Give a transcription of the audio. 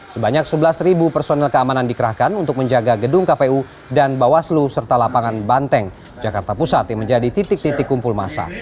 sebanyak sebelas personil keamanan dikerahkan untuk menjaga gedung kpu dan bawaslu serta lapangan banteng jakarta pusat yang menjadi titik titik kumpul masa